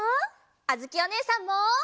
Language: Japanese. あづきおねえさんも！